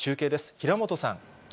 平本さん。